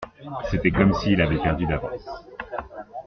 C’était comme s’il avait perdu d’avance.